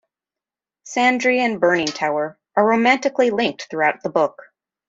Sandry and Burning Tower are romantically linked throughout the book.